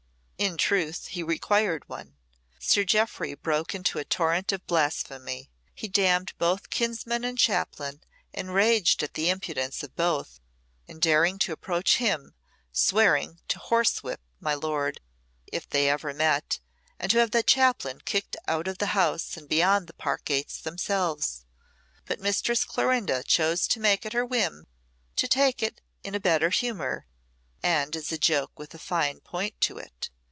In truth, he required one. Sir Jeoffry broke into a torrent of blasphemy. He damned both kinsman and chaplain, and raged at the impudence of both in daring to approach him, swearing to horsewhip my lord if they ever met, and to have the chaplain kicked out of the house, and beyond the park gates themselves. But Mistress Clorinda chose to make it her whim to take it in better humour, and as a joke with a fine point to it.